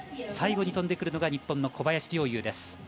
最後に飛んでくるのが日本の小林陵侑です。